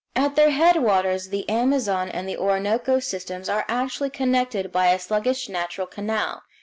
At their headwaters the Amazon and the Orinoco systems are actually connected by a sluggish natural canal.